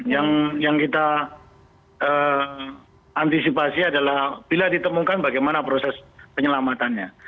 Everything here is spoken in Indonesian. yang kita antisipasi adalah bila ditemukan bagaimana proses penyelamatannya